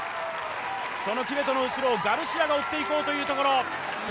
そのキベトの後ろをガルシアが追っていこうというところ。